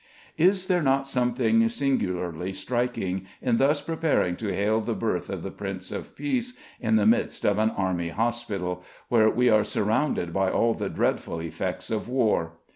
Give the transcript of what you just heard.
Is there not something singularly striking in thus preparing to hail the birth of the Prince of Peace in the midst of an army hospital, where we are surrounded by all the dreadful effects of war?